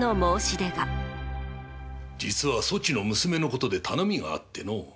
実はそちの娘のことで頼みがあってのう。